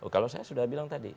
kalau saya sudah bilang tadi